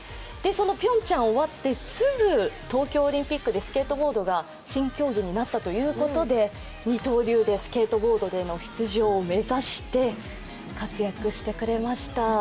そのピョンチャンが終わってすぐ、スケートボードが新競技になったということで、二刀流でスケートボードでの出場を目指して活躍してくれました。